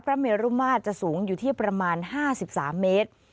เมรุมาตรจะสูงอยู่ที่ประมาณ๕๓เมตร